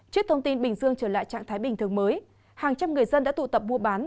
trước thông tin bình dương trở lại trạng thái bình thường mới hàng trăm người dân đã tụ tập mua bán